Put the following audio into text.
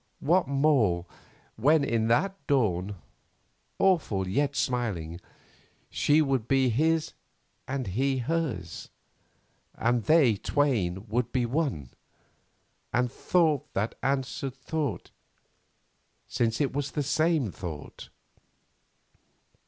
What more when in that dawn, awful yet smiling, she should be his and he hers, and they twain would be one, with thought that answered thought, since it was the same thought?